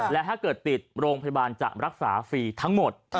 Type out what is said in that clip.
และถ้าเกิดติดโรงพยาบาลจะรักษาฟรีทั้งหมด